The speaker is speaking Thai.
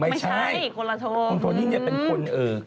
ไม่ใช่คุณโทนี่เนี่ยเป็นคน